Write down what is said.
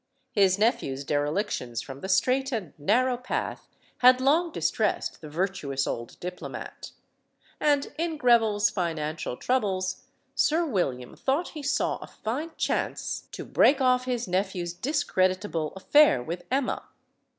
His nephew's derelictions from the straight and narrow path had long distressed the virtuous old diplomat. And in Gre ville* s financial troubles Sir William thought he saw a fine chance to break off his nephew's discreditable affair with Emma.